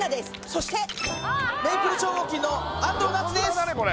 そしてメイプル超合金の安藤なつです